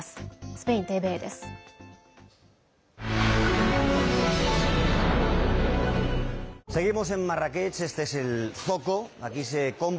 スペインＴＶＥです。